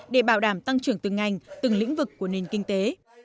để bảo đảm tăng trưởng từng ngành từng lĩnh vực của nền kinh tế